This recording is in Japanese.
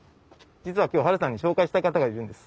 実は今日ハルさんに紹介したい方がいるんです。